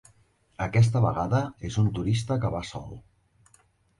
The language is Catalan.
Aquesta vegada és un turista que va sol.